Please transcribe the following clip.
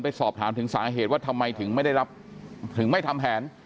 สอบถามถึงสาเหตุว่าทำไมถึงไม่ได้รับถึงไม่ทำแผน